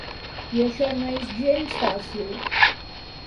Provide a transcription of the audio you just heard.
I això no és gens fàcil.